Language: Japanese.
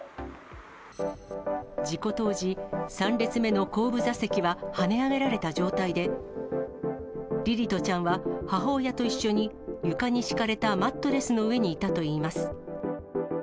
事故当時、３列目の後部座席ははね上げられた状態で、凛々斗ちゃんは母親と一緒に、床に敷かれたマットレスの上にいたといいます。